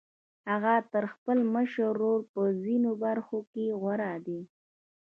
هغه تر خپل مشر ورور په ځينو برخو کې غوره دی.